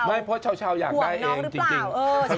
ไม่เพราะว่าเช้าอยากได้เองจริง